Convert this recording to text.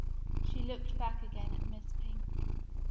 She looked back again at Miss Pink.